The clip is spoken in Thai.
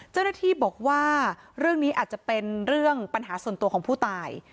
เจ้าหน้าที่บอกว่าเรื่องนี้อาจจะเป็นเรื่องปัญหาส่วนตัวของผู้ตาย